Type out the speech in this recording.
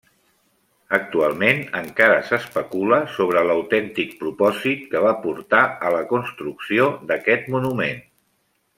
Actualment encara s'especula sobre l'autèntic propòsit que va portar a la construcció d'aquest monument.